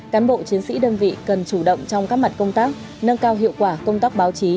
cán bộ chiến sĩ đơn vị cần chủ động trong các mặt công tác nâng cao hiệu quả công tác báo chí